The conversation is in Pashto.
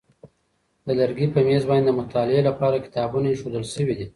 د لرګي په مېز باندې د مطالعې لپاره کتابونه ایښودل شوي دي.